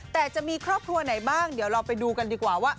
แต่จะมีครอบครัวไหนบ้างเดี๋ยวเราไปดูกันดีกว่าว่า